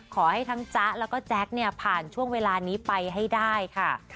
ขอให้ทั้งจ๊ะแล้วก็แจ๊คเนี่ยผ่านช่วงเวลานี้ไปให้ได้ค่ะ